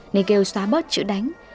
nên kêu xóa bớt chữ đánh